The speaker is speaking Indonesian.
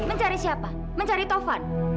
mencari siapa mencari taufan